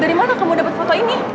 dari mana kamu dapat foto ini